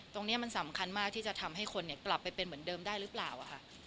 ตรงนี้มันสำคัญมากที่จะทำให้คนกลับไปเป็นเหมือนเดิมได้หรือเปล่าค่ะ